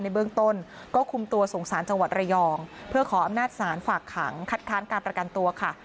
ในเบื้องต้นก็คุมตัวส่งสารจังหวัดระยองเพื่อขออำนาจศาลฝากขังคัดค้านการประกันตัวค่ะ